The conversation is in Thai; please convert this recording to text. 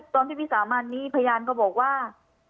พี่วิสามันนี้พยานก็บอกว่า